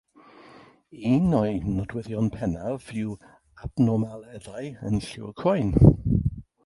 Un o'i nodweddion pennaf yw abnormaleddau yn lliw'r croen.